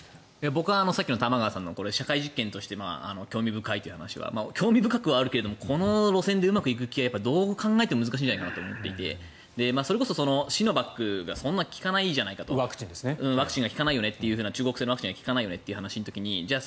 僕はさっきの玉川さんの社会実験として興味深いという話は興味深くはあるけれどもこの路線でうまくいくのはどう考えても難しいのではと思っていてそれこそシノバックがそんなに効かないじゃないかと中国製のワクチンが効かないよねという話の時にじゃあ